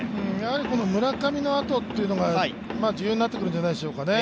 この村上の後というのが重要になってくるんじゃないでしょうかね。